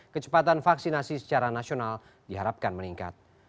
kecepatan vaksinasi secara nasional diharapkan meningkat